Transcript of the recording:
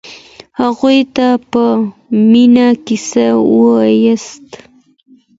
هغوی ته په مينه کيسې وواياست.